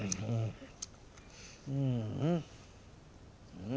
うん。